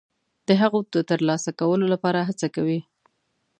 د هغو د ترلاسه کولو لپاره هڅه کوي.